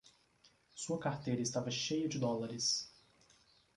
Sua carteira estava cheia de dólares